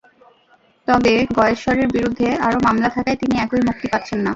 তবে গয়েশ্বরের বিরুদ্ধে আরও মামলা থাকায় তিনি এখনই মুক্তি পাচ্ছেন না।